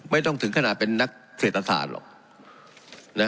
ไม่ต้องถึงขนาดเป็นนักเศรษฐศาสตร์หรอก